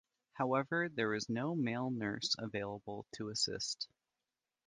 However, there was no male nurse available to assist.